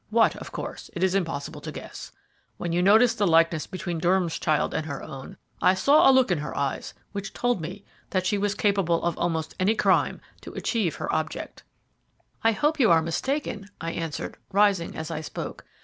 What, of course, it is impossible to guess. When you noticed the likeness between Durham's child and her own, I saw a look in her eyes which told me that she was capable of almost any crime to achieve her object." "I hope you are mistaken," I answered, rising as I spoke.